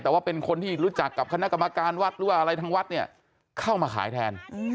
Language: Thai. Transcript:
แต่ว่าเป็นคนที่รู้จักกับคณะกรรมการวัดหรือว่าอะไรทางวัดเนี่ยเข้ามาขายแทน